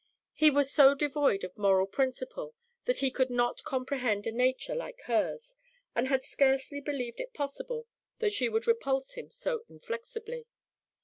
He was so devoid of moral principle that he could not comprehend a nature like hers, and had scarcely believed it possible that she would repulse him so inflexibly.